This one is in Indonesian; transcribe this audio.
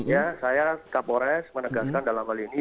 ya saya tkp polres menegaskan dalam hal ini